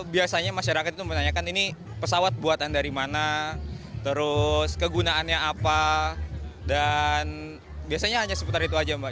biasanya masyarakat itu menanyakan ini pesawat buatan dari mana terus kegunaannya apa dan biasanya hanya seputar itu aja mbak